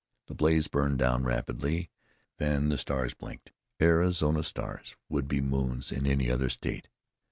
The blaze burned down rapidly. Then the stars blinked. Arizona stars would be moons in any other State!